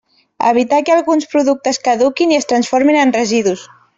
Evitar que alguns productes caduquin i es transformin en residus.